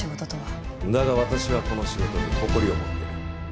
だが私はこの仕事に誇りを持ってる。